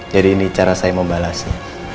jadi ini cara saya mau balasnya